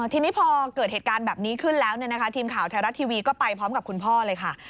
ทีนี้พอเกิดเหตุการณ์แบบนี้ขึ้นแล้วทีมข่าวไทยรัฐทีวีก็ไปพร้อมกับคุณพ่อเลยค่ะ